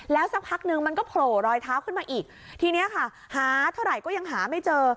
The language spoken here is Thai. สักพักนึงมันก็โผล่รอยเท้าขึ้นมาอีกทีนี้ค่ะหาเท่าไหร่ก็ยังหาไม่เจอ